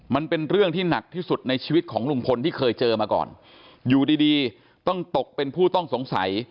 มันเป็นเรื่องที่หนักที่สุดในชีวิตของลุงพลที่เคยเจอมาก่อนอยู่ดีดีต้องตกเป็นผู้ต้องสงสัย